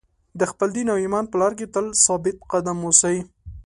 د خپل دین او ایمان په لار کې تل ثابت قدم اوسئ.